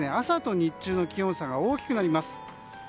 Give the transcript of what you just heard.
朝と日中の気温差が大きくなります。